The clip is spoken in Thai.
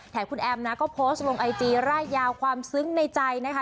แถมคุณแอมนะก็โพสต์ลงไอจีร่ายยาวความซึ้งในใจนะคะ